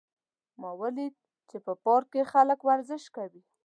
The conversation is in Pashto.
ما ولیدل چې په پارک کې خلک ورزش کوي